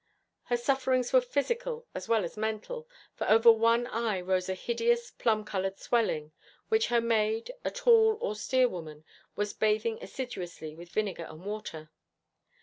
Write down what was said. Her sufferings were physical as well as mental, for over one eye rose a hideous, plum coloured swelling, which her maid, a tall, austere woman, was bathing assiduously with vinegar and water.